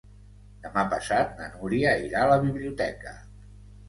Demà passat na Núria irà a la biblioteca.